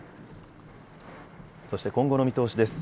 そして今後の見通しです。